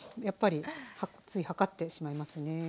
やっぱりつい量ってしまいますね。